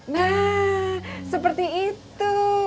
nah seperti itu